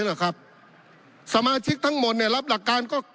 หรอกครับสมาชิกทั้งหมดเนี่ยรับหลักการก็